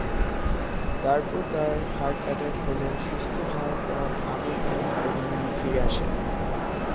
তারপর তার heart attack হলে সুস্থ হওয়ার পর আবার তিনি অভিনয়ে ফিরে আসেন।